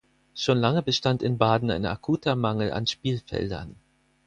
Schon lange bestand in Baden ein akuter Mangel an Spielfeldern.